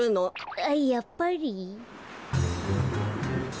あっやっぱり。